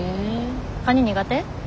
カニ苦手？